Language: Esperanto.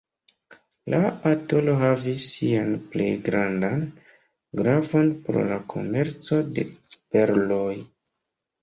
La atolo havis sian plej grandan gravon pro la komerco de perloj.